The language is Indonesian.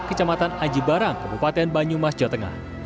kecamatan aji barang kebupaten banyumas jawa tengah